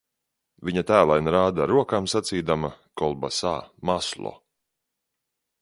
Viņa tēlaini rāda ar rokām sacīdama – kolbasa, maslo.